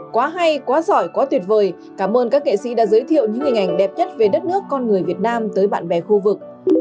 quá hay quá giỏi quá tuyệt vời cảm ơn các nghệ sĩ đã giới thiệu những hình ảnh đẹp nhất về đất nước con người việt nam tới bạn bè khu vực